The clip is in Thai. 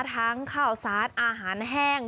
ทั้งข้าวสารอาหารแห้ง